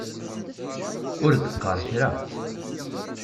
Ur d-qqaṛ kra.